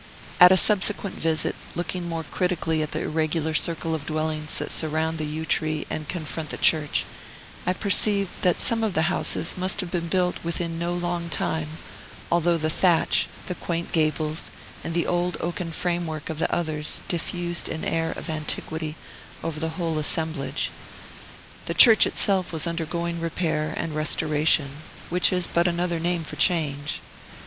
At a subsequent visit, looking more critically at the irregular circle of dwellings that surround the yew tree and confront the church, I perceived that some of the houses must have been built within no long time, although the thatch, the quaint gables, and the old oaken framework of the others diffused an air of antiquity over the whole assemblage. The church itself was undergoing repair and restoration, which is but another name for change.